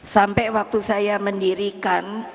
sampai waktu saya mendirikan